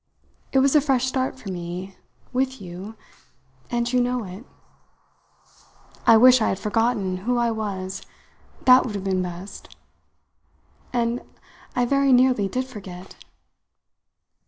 It was a fresh start for me, with you and you know it. I wish I had forgotten who I was that would have been best; and I very nearly did forget."